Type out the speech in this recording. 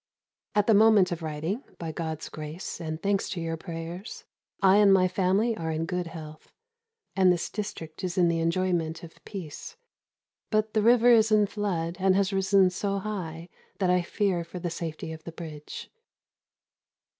At the moment of writing, by God's grace, and thanks to your prayers, I and my family are in good health, and this district is in the enjoyment of peace; but the river is in flood, and has risen so high that I fear for the safety of the bridge."